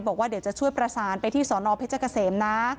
บอกว่าเดี๋ยวจะช่วยประสานไปที่สอนอเพชรเกษมนะ